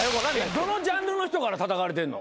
どのジャンルの人からたたかれてんの？